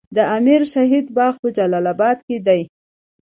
د امیر شهید باغ په جلال اباد کې دی